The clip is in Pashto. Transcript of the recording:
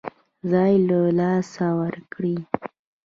ځای له لاسه ورکړي.